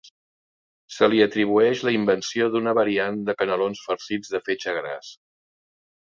Se li atribueix la invenció d'una variant de canelons farcits de fetge gras.